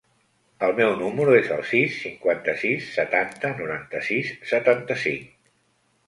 El meu número es el sis, cinquanta-sis, setanta, noranta-sis, setanta-cinc.